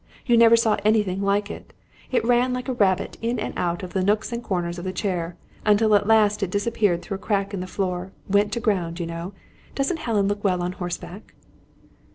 You never saw anything like it! It ran like a rabbit, in and out of the nooks and corners of the chair, until at last it disappeared through a crack in the floor; went to ground, you know. Doesn't Helen look well on horseback?"